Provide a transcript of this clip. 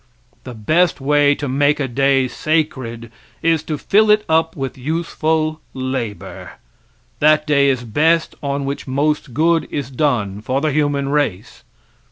The best way to make a day sacred is to fill it up with useful labor. That day is best on which most good is done for the human race.